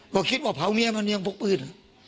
ก็คิดว่าเผาแม่มันยังหลุ่น